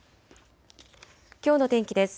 きょうの天気です。